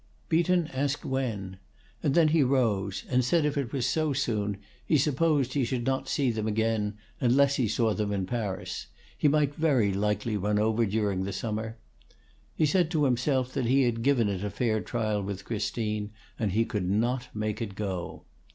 Beaton asked when; and then he rose, and said if it was so soon, he supposed he should not see them again, unless he saw them in Paris; he might very likely run over during the summer. He said to himself that he had given it a fair trial with Christine, and he could not make it go.